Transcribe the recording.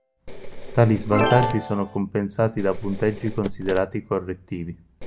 Tali svantaggi sono compensati da punteggi considerati correttivi.